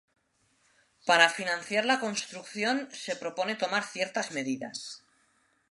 Para financiar la construcción, se propone tomar ciertas medidas.